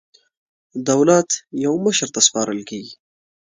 دولت یو مشر ته سپارل کېږي.